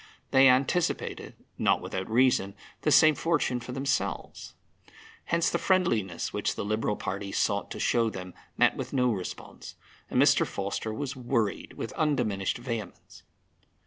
They anticipated (not without reason) the same fortune for themselves. Hence the friendliness which the Liberal party sought to show them met with no response, and Mr. Forster was worried with undiminished vehemence.